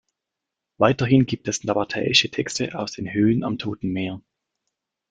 Weiterhin gibt es nabatäische Texte aus den Höhlen am Toten Meer.